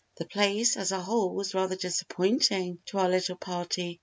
The place as a whole was rather disappointing to our little party.